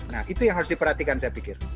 nah itu yang harus diperhatikan saya pikir